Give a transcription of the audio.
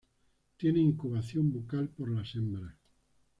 Tiene incubación bucal por las hembras.